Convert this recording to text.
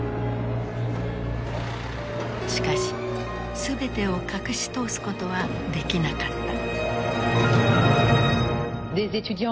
しかし全てを隠し通すことはできなかった。